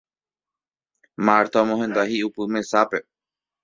Marta omohenda hi'upy mesápe